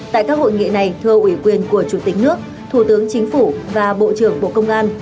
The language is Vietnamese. tại các hội nghị này thưa ủy quyền của chủ tịch nước thủ tướng chính phủ và bộ trưởng bộ công an